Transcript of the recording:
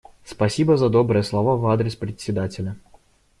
Спасибо за добрые слова в адрес Председателя.